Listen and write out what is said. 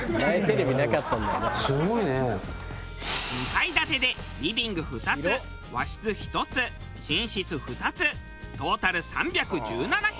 ２階建てでリビング２つ和室１つ寝室２つトータル３１７平米。